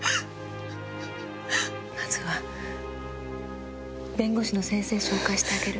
まずは弁護士の先生紹介してあげる。